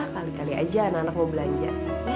kali kali aja anak anak mau belanja